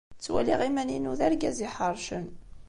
Ttwaliɣ iman-inu d argaz iḥeṛcen.